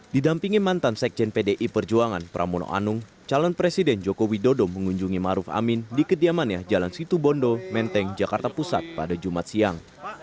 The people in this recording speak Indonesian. di dampingi mantan sekjen pdi perjuangan pramono anung calon presiden jokowi dodo mengunjungi ma'ruf amin di kediamannya jalan situ bondo menteng jakarta pusat pada jumat siang